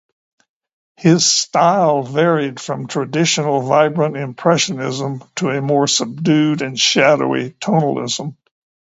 His style varied from traditional, vibrant impressionism to a more subdued and shadowy tonalism.